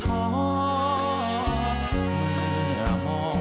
เมื่อมันจะผ่านไป